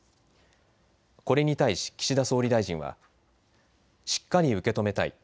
これに対し岸田総理大臣はしっかり受け止めたい。